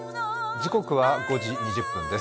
時刻は５時２０分です。